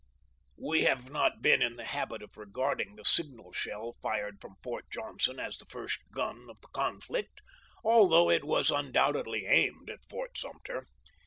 We have not been in the habit of regarding the signal shell fired from Fort Johnson as the first gun of the conflict, although it was undoubtedly aimed at Fort Sumter.